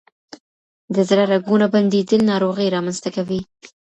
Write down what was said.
د زړه رګونه بندیدل ناروغۍ رامنځ ته کوي.